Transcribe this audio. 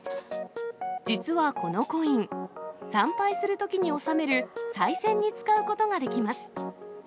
実はこのコイン、参拝するときにおさめるさい銭に使うことができます。